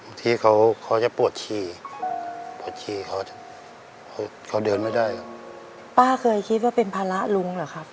ที่เขาเขาจะปวดชีปวดฉี่เขาเขาเดินไม่ได้ครับป้าเคยคิดว่าเป็นภาระลุงเหรอครับ